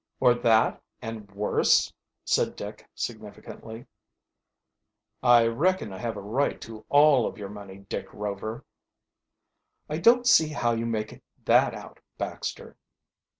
"Or that and worse," said Dick significantly, "I reckon I have a right to all of your money, Dick Rover." "I don't see how you make that out, Baxter."